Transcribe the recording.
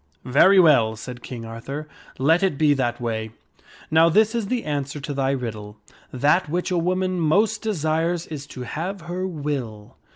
"Very well," said King Arthur, ''let it be that way. Now this is the answer to thy riddle : That which a woman most desires is to have her will."